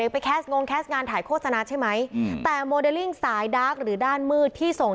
ไปแคสงงแคสต์งานถ่ายโฆษณาใช่ไหมแต่โมเดลลิ่งสายดาร์กหรือด้านมืดที่ส่ง